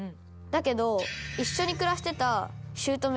だけど。